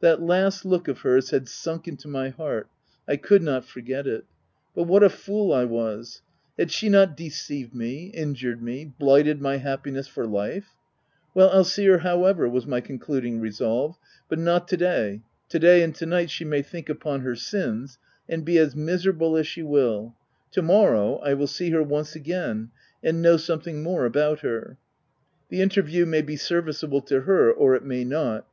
That last look of hers had sunk into my heart ; I could not forget it — But what a fool I was |— Had she not deceived me, injured me — blighted my happiness for life ?—" Well I'll see her, however," was my con cluding resolve, — "but not to day : to day and to night, she may think upon her sins, and be as miserable as she will : to morrow, I will see her once again, and know something more about her. The interview may be serviceable to her, or it may not.